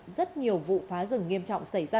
rất nhiều vụ phá rừng nghiêm trọng xảy ra